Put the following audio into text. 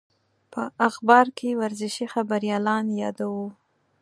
په اخبار کې ورزشي خبریالان یادېدو.